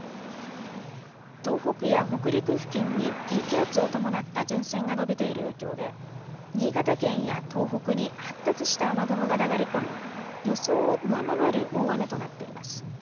東北や北陸付近に低気圧を伴った前線が延びている影響で新潟県や東北に発達した雨雲が流れ込み予想を上回る大雨となっています。